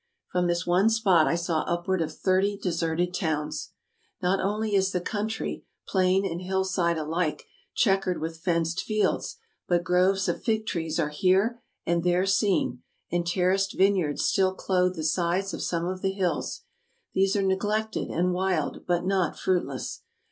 From this one spot I saw upward of thirty deserted towns. ... Not only is the country — plain and hillside alike — checkered with fenced fields, but groves of fig trees are here and there seen, and terraced vineyards still clothe the sides of some of the hills. These are neglected and wild, but not fruitless.